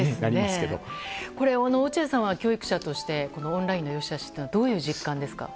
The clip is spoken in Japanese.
落合さんは教育者としてオンラインの良し悪しをどういう実感ですか？